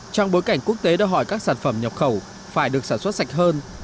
trong bối cảnh quốc tế đã hỏi các sản phẩm nhập khẩu phải được sản xuất sạch hơn